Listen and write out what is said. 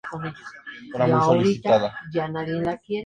Takuma Kuroda